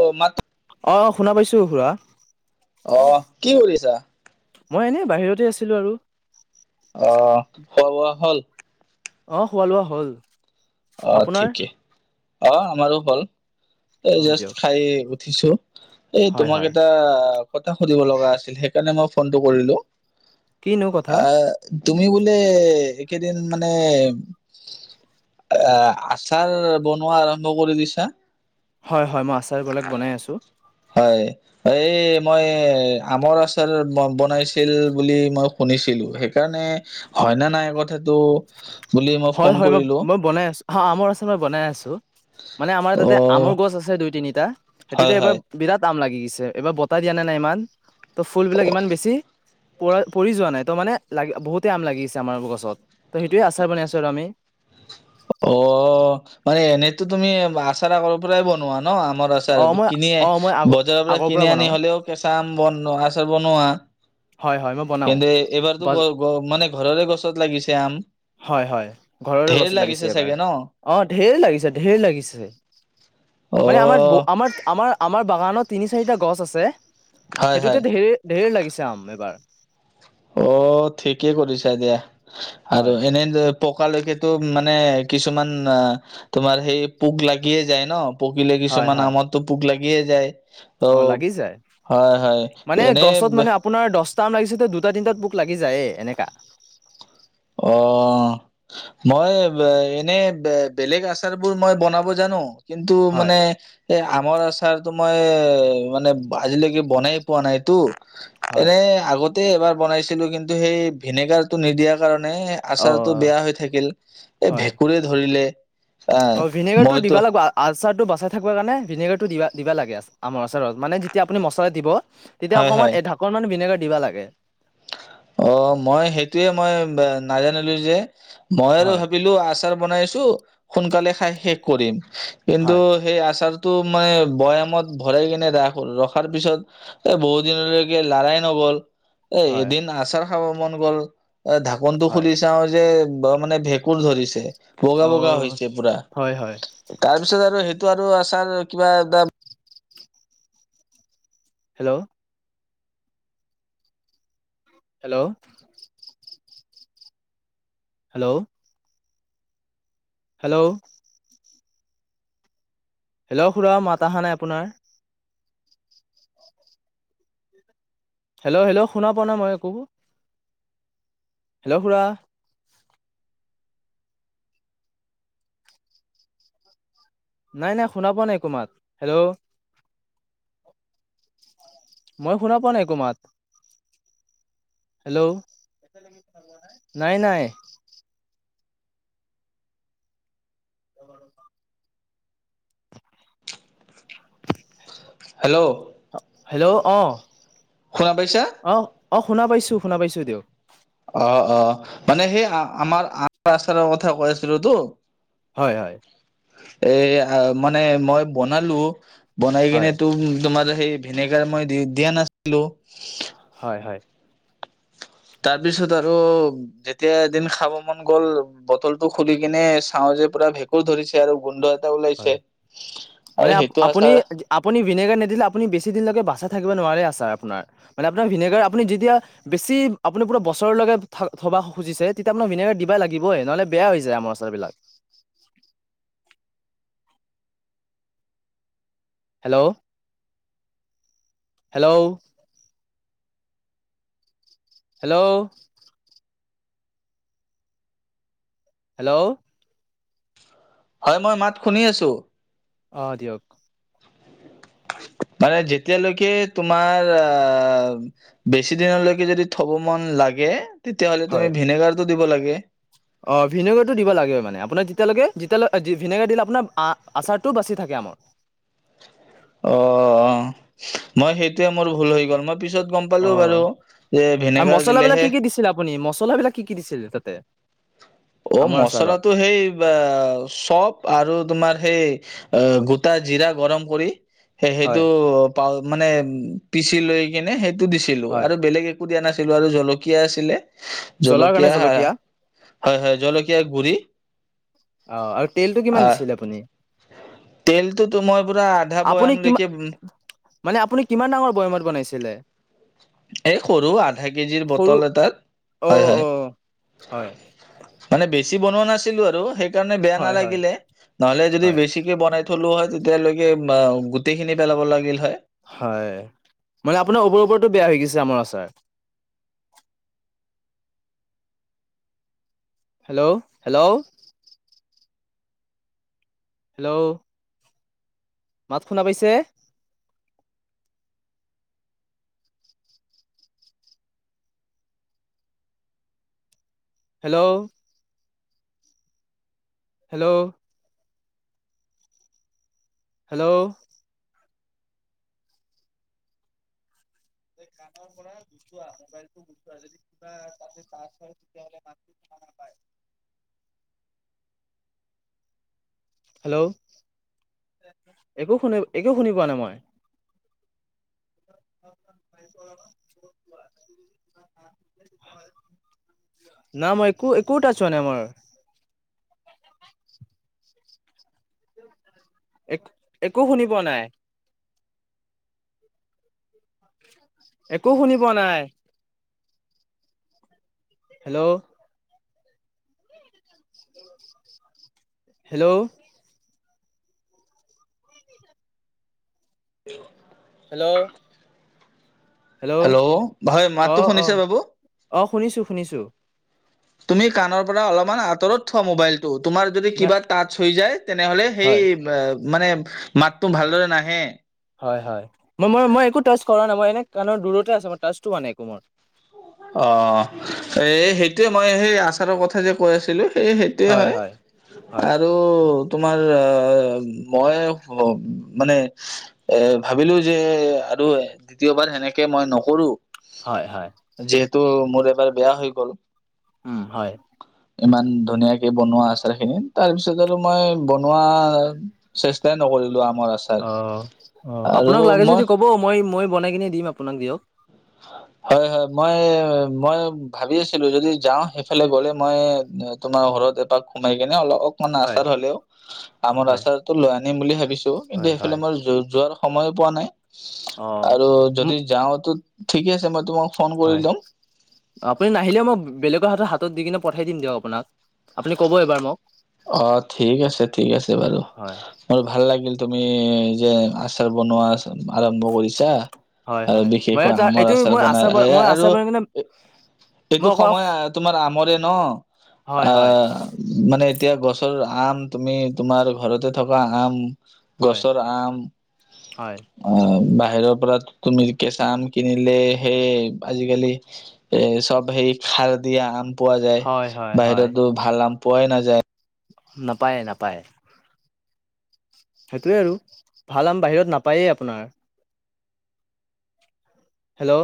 অঁ, মাত অ' শুনা পাইছো খুৰা। অ'হ কি কৰিছা? মই এনেই বাহিৰতে আছিলো আৰু। অ'হ, খোৱা বোৱা হ'ল? অঁ, খোৱা লোৱা হ'ল। অ', আপোনাৰ ঠিকে অ' আমাৰো হ'ল। এই অ জাষ্ট দিয়ক খাই উঠিছো। এই হয় তোমাক হয় এটা কথা সুধিব লগা আছিল সেইকাৰণে মই ফোনটো কৰিলো। কিনো কথা আহ তুমি, বোলে একেইদিন মানে এ, আচাৰ বনোৱা আৰম্ভ কৰি দিছা? হয় হয় মই আচাৰবলাক বনাই আছোঁ। হয়। এ মই আমৰ আচাৰ বনাইছিল বুলি মই শুনিলোঁ সেইকাৰণে হয়নে নাই কথাটো বুলি মই হয় ফোন হয় কৰিলোঁ। মই বনাই আছ অ' আমৰ আচাৰ মই বনাই আছো মানে আমাৰ অ তাতে আমৰ গছ আছে দুই তিনিটা হয় সেইটোতে এবাৰ হয় বিৰাট আম লাগি গেছে এইবাৰ বতাহ দিয়া নে নাই ইমান ত' ফুলবিলাক ইমান বেছি পৰা পৰি যোৱা নাই ত মানে লাগ বহুতেই আম লাগিছে আমাৰ গছত ত সেইটোৱে আচাৰ বনাই আছো আৰু আমি। অ' মানে এনেতো তুমি আচাৰ আগৰ পৰাই বনোৱা। ন আমাৰ অ আচাৰ মই কিনি অ মই আগ বজাৰৰ পৰা আগৰ কিনি বনাও আনি হলেওঁ ন কেঁচা আম বন আচাৰ বনোৱা। হয় হয় ম তেন্তে এবাৰতো ঘ ঘ মানে ঘৰৰে গছত লাগিছে আম। হয় হয় ঘৰৰে ধেৰ গছত লাগিছে চাগে এবাৰ ন অ ঢেৰ লাগিছে ঢেৰ লাগিছে। মানে আমাৰ ব অ'। আমাত আমাৰ আমাৰ বাগানত তিনি চাৰিটা গছ আছে হয় হয় সেইটোতে ঢেৰ ঢেৰ লাগিছে আম এবাৰ। অ' ঠিকেই কৰিছা দিয়া আৰু হয় হেনে দৰে পকালৈকেতো মানে কিছুমান আ তোমাৰ সেই পোক লাগিয়ে যায় ন। পকিলে হয় কিছুমান হয় আমতটো পোক লাগিয়ে যায়। অ লাগি যায় হয় হয় মানে এনে গছত মানে আপোনাৰ দহটা আম লাগিছেতো দুটা তিনটাত পোক লাগি যায়ে এনেকা। অঁ মই এনে বেলেগ আচাৰ বোৰ মই বনাব জানো কিন্তু হয় মানে এ আমৰ আচাৰ তো মই মানে আজিলৈকে বনাই পোৱা নাইতো হয় এনে আগতে এবাৰ বনাইছিলোঁ কিন্তু সেই ভিনেগাৰ টো নিদিয়াৰ কাৰণে অ আচাৰটো বেয়া হৈ থাকিল, এই হয় ভেঁকুৰে ধৰিলে আহ অ ভিনেগাৰ টো মইতো দিব লাগব আচাৰটো বচাই থাকিব কাৰণে ভিনেগাৰটো দিব দিবা লাগে আমাৰ আচাৰত মানে যেতিয়া আপুণি মছলা দিব তেতিয়া হয় হয় অকণমান এ ঢাকনখন ভিনেগাৰ দিব লাগে অ মই সেইটোয়ে মই নাজানিলো যে মই আৰু হয় ভাবিলো আচাৰ বনাইছোঁ সোনকালে খাই শেষ কৰিম কিন্তু হয় সেই আচাৰতটো মাই বৈয়ামত ভৰাই কিনে ৰাস ৰখাৰ পিছত এ বহুত দিনলৈকে লাৰাই নগ'ল। এ হয় এদিন আচাৰ খাব মন গ'ল এ ঢাকনটো হয় খুুলি চাও যে মানে ভে কুৰ ধৰিছে বগা বগা অ হৈছে পুৰা হয় হয় তাৰ পিছত আৰু সেইটো আৰু আচাৰ কিবা এটা hello hello hello hello hello খুৰা মাত আহা নাই আপোনাৰ হেল্ল হেল্ল শুনা পোৱা না মই একো হেল্ল' খুৰা নাই নাই শুনা পোৱা নাই একো মাত হেল্ল' মই শুনা পোৱা নাই একো মাত? হেল্লো' নাই নাই। [unintelligible] [inaudible] হেল্ল' হেল্লো' অহ, শুনা পাইছা অহ। অ শুনা পাইছো শুনা পাইছো দেও। অ অ মানে সেই আমাৰ আমৰ আচাৰৰ কথা কৈ আছিলো তো। হয় হয়। এ মানে মই বনালো বনাই হয় কিনে তো তোমাৰ সেই ভিনেগাৰ মই দি দিয়া নাছিলো হয় হয়। তাৰপিছত আৰু যেতিয়া এদিন খাব মন গ'ল বটল টো খুলি কেনে চাও যে পুৰা ভেঁকুৰ ধৰিছে আৰু গোন্ধত [unintelligible] হয় ওলাইছে মানে আৰু সেইটো আপুনি আছাৰ আপুনি ভিনেগাৰ নিদিলে আপু বেছিদিনৈকে বাচাই থাকিব নোৱাৰে আছাৰ আপোনাৰ মানে আপোনাৰ ভিনেগাৰ আপুনি যেতিয়া বেছি আপুনি পোৰা বছৰলৈকে থবা খুজিছে তেতিয়া আপোনাৰ ভিনেগাৰ দিবা লাগিবইে নহ'লে বেয়া হৈ যায় আমৰ আচাৰবিলাক। Hello hello. হেল্লোও। হেল্লো হয় মই মাত শুনি আছো। অ দিয়ক। মানে যেতিয়ালৈকে তোমাৰ আম বেছি দিনৰ লৈকে যদি থব মন জাগে তেতিয়া হলে তুমি ভিনেগাৰটো দিব লাগে। অ ভিনেগাৰটো দিব লাগে মানে আপোনাৰ যেতিয়ালৈকে যেতিয়ালৈ ভিনেগাৰ দিলে আপোনাৰ আচাৰটো বাছি থাকে আমাৰ। অ অহ মই সেইটোৱে মোৰ ভুল হৈ গ'ল মই পিছত গম পালো অঁ বাৰু যে আৰু ভিনেগাৰ মছলাবিলাক কি দিলেহে কি দিছিল আপুনি মছলাবিলাক কি কি দিচেজে তাতে? অ আমৰ আচাৰত মছলাটো হেই বা চপ আৰু তোমাৰ সেই গোটা জিৰা গৰম কৰি সে সেইটো হয় পা মানে পিচি লৈ কিনে সেইটো দিছিলো হয় আৰু বেলেগ এ কো দিয়া নাছিলো আৰু জলকীয়া আছিলে জ্বলাৰ কাৰণে জলকীয়া হাৰা হয় হয় জলকীয়া গুৰি। অহ আৰু তেলটো কিমান দিছিলে আপুনি? তেলটো তো মই পুৰা আধা আপুনি কিমান বয়ামলৈকে মানে আপুনি কিমান ডাঙৰ বৈয়ামত বনাইছিলে? এই সৰু আধা কেজিৰ সৰু বটল এটাত, হয় অঁ হয়। অঁ হয় মানে বেছি বনোৱা নাছিলো আৰু সেইকাৰণে বেয়া হয় হয় নালাগিলে, নহলে যদি হয় বেছি বনাই থলো হয় তেতিয়ালৈকে অঁ গোটেই খিনি পেলাব লাগিল হয়। হয় মানে আপোনাৰ ওবৰ ওপৰতো বেয়া হৈ গৈছে আমৰ আচাৰ। হেল্ল হেল্ল হেল্ল' মাত শুনা পাইছে? হেল্ল' হেল্ল' হেল্ল' গানৰ পৰা গুচোৱা, মোবাইলটো গুচোৱা যদি কিবা চাৰ্জ কৰে তেতিয়া হ'লে [unintelligible] [unintelligible] হেল্ল' একো শুনি একো শুনি পোৱা নাই মই। [unintelligible] নাই, মই একো একোটা চোৱা নাই মই। এক একো শুনি পোৱা নাই! [unintelligible] একো শুনি পোৱা নাই! হেল্ল'। হেল্ল'। [unintelligible] হেল্ল'। হেল্ল' হয়, মাততো শুনিছে বাবু? অঁ, শুনিছো শুনিছো। তুমি কাণৰ পৰা অলপমান আঁতৰত থোৱা মোবাইল তো, তোমাৰ যদি না কিবা টাচ হৈ যায় তেনেহলে সেই হয় এ মানে মাতটো ভালদৰে নাহে। হয় হয়, মই মই মই একো টাচ কৰা নাই, মই এনে কাৰণৰ দূৰতে আছে, মই টাচটো হোৱা নাই একো মোৰ। অঁ, এই সেইটোৱে মই সেই আচাৰৰ কথা যে কৈ আছিলো সেয়েহে সেয়ে হয় হয় আৰু তোমাৰ মই মানে এ ভাবিলো যে আৰু দ্বিতীয়বাৰ সেনেকে মই নকৰো। হয় হয়। যিহেতু মোৰ এবাৰ বেয়া হৈ গ'ল। উমঁ' হয়। ইমান ধুনীয়াকে বনোৱা আছাৰ খিনি তাৰপিছত আৰু মই বনোৱা চেষ্টাই নকৰিলো আম অঁ, অঁ, আপোনাক লাগে যদি মই ক'ব মই মই বনাই কিনে দিম আপোনাক দিয়ক। হয়, হয়, মই, মই ভাবি আছিলো যদি যাওঁ সেইফালে গ'লে মই তোমাৰ ঘৰত এপাক সোমাই কিনে অলপ মানে হয় আচাৰ হ'লেও আমৰ হয় আচাৰটো লৈ আনিম বুলি ভাবিছো। কিন্তু হয় সেইফালে হয় মই যো যোৱাৰ সময়ো পোৱা নাই অ আৰু যদি মোক যাওঁতো ঠিকে আছে মই তোমাক ফোন কৰি হয়। লম আপুনি নাহিলেও মই বেলেগৰ হাতত হাতত দি কিনে পঠাই দিম দিয়ক আপোনাক। আপুনি কব এবাৰ মোক। অঁ' ঠিক আছে ঠিক আছে বাৰু। হয় মোৰ ভাল লাগিল তুমি যে আচাৰ বনোৱা আৰম্ভ কৰিছা। হয় আৰু হয় মই বিশেষকৈ তাৰ আমৰ এইটো আচাৰ মই বন বনাই মই আৰু আচাৰ বনাই কিনে মই এইটো অকল সময় তোমাৰ আমৰে হয় ন' হয় আহ' মানে এতিয়া গছৰ আম, তুমি তোমাৰ ঘৰতে থকা আম- হয় গছৰ আম হয় অঁ' বাহিৰৰ পৰা তুমি কেঁচা আম কিনিলে সেই আজিকালি এ চ'ব সেৰি সাৰ দিয়া আম পোৱা যায়। হয় হয় হয় বাহিৰততো ভাল আম পোৱাই নাযায়। নাপায় নাপায়। সেইটোৱে আৰু ভাল আম বাহিৰত নাপায়েই আপোনাৰ। হেল্ল'।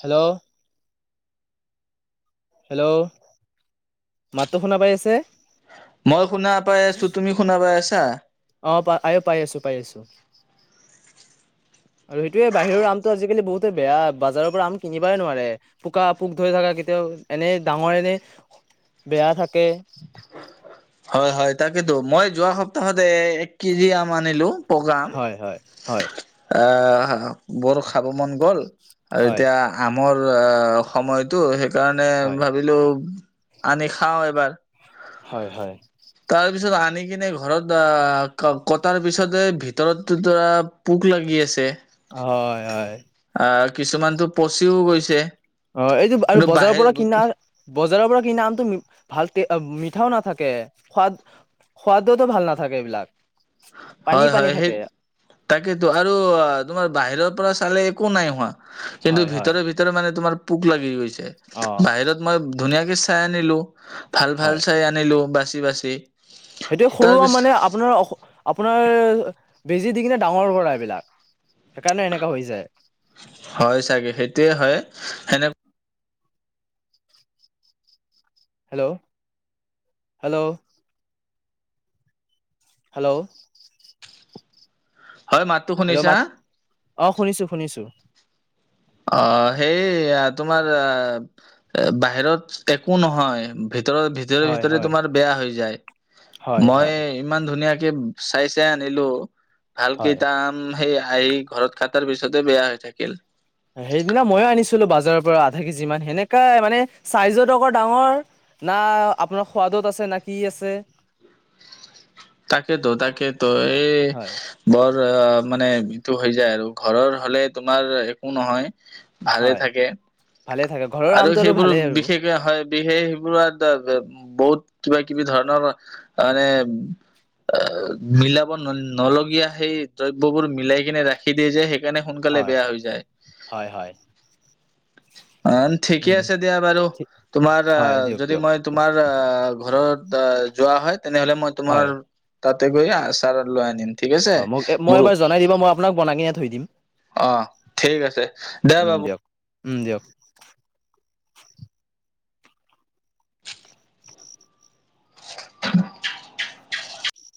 হেল্ল! হেল্ল! মাতটো শুনা পাই আছে? মই শুনা পাই আছো। তুমি শুনা পাই আছা? অ প আ পাই আছো পাই আছো। আৰু সেইটোয়ে বাহিৰৰ আমটো আজিকালি বহুতে বেয়া বাজাৰৰ পৰা আম কিনিবাই নোৱাৰে। পোকা পোক ধৰি থকা কেতিয়াও এনে ডাঙৰৰে এনে বেয়া থাকে। হয় হয় তাকেতো, মই যোৱা সপ্তাহত এ এক কেজি আম আনিলো। পকা আম হয় হয় হয় এ বৰ খাব মন গ'ল আৰু হয় এতিয়া আমৰ সময়টো সেইকাৰণে হয় ভাবিলো আনি খাওঁ এবাৰ। হয় হয়। তাৰ পিছত আনি কিনে ঘৰত আহ কটাৰ পিছতে ভিতৰতো ধৰা পোক লাগি আছে। হয় হয়। আহ কিছুমানতো পচিও গৈছে। হয় অ এইটো আৰু কিন্তু বজাৰৰ বাহিৰ পৰা কিনা বজাৰৰ পৰা কিনা আমটো ভালকে মিঠাও নাথাকে, সোৱাদ সোৱাদোতো ভাল নাথাকে এইবিলাক। পানী হয় পানী হয় সেই থাকে তাকেতো আৰু তোমাৰ বাহিৰৰ পৰা চালে একো নাই হোৱা। কিন্তু হয় হয় ভিতৰে ভিতৰে মানে তোমাৰ পোক লাগি গৈছে। অ' বাহিৰত মই ধুনীয়াকে চাই আনিলো ভাল হয় ভাল চাই আনিলো বাচি বাচি। সেইটোৱে সৰুৱে তাৰপিছ মানে আপোনাৰ আপোনাৰ বেজি দি কিনে ডাঙৰ কৰা এইবিলাক। সেইকাৰণে এনেকা হৈ যায়। হয় চাগে সেইটোয়ে হয়। সেনে হেল্ল! হেল্ল! হেল্ল! হয় মাত হেল্ল' মাত অ শুনিছো শুনিছো। অঁ সেই তোমাৰ এ বাহিৰত একো নহয় ভিতৰত ভিতৰে হয় ভিতৰে হয় তোমাৰ বেয়া হৈ যায়। হয় মই হয় ইমান ধুনীয়াকে চাই চাই আনিলো ভাল হয়। কেইটা উম সেই আহি ঘৰত খাটাৰ পিছতে বেয়া হৈ থাকিল। সেইদিনা মইয়ো আনিছিলো বাজাৰৰ পৰা আধা কেজি মান সেনেকাই মানে চাইজতো আকৌ ডাঙৰ। না আপোনাৰ সোৱাদত আছে না কি আছে। তাকেতো তাকেতো। এই ঘৰ মানে ইটো হৈ যায় আৰু ঘৰৰ হলে তোমাৰ একো নহয়। ভালে হয় থাকে, ভালে থাকে ঘৰৰ আৰু আমটো সেইবোৰ ভালেই আৰু বিশেষ কে সেইবোৰত বহুত কিবা বহুত কিবি ধৰণৰ মানে অ মিলাব ন নলগীয়া সেই দ্ৰব্যবোৰ মিলাই কিনে ৰাখি দিয়ে যে সেই কাৰণে সোনকালে হয় বেয়া হৈ যায়। হয় হয় আ ঠিকে উম আছে দিয়া বাৰু ঠিক তোমাৰ হয় আহ দিয়ক যদি দিয়ক মই তোমাৰ আহ ঘৰত যোৱা হয় তেনেহলে মই হয় তোমাৰ তাতে গৈ আচাৰ লৈ আনিম। ঠিক আছে হয় মোক মই মোৰো এবাৰ জনাই দিব মই আপোনাক বনাই কিনে থৈ দিম। অ', ঠিক আছে দে উম, বাবু। দিয়ক উম, দিয়ক। [inaudible]